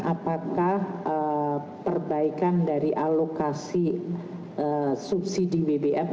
apakah perbaikan dari alokasi subsidi bbm